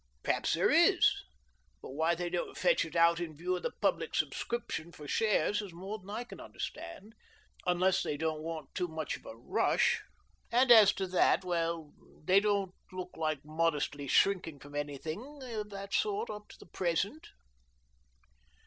Perhaps there is. But why they don't fetch it out in view of the public subscription for shares is more than I can under stand, unless they don't want too much of a rush. And as to that, well they don't look like modestly shrinking from anything of that sort up to the present."